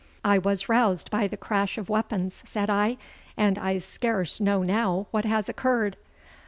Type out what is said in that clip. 'I was roused by the crash of weapons,' said I, 'and I scarce know now what has occurred.